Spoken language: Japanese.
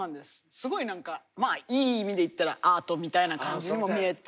すごい何かいい意味でいったらアートみたいな感じにも見えて。